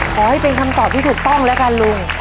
ขอให้เป็นคำตอบที่ถูกต้องแล้วกันลุง